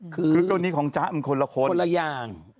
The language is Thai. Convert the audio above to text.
คือกรณีของจ๊ะมันคนละคนคนละอย่าง